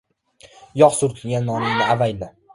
• Yog‘ surtilgan noningni avayla.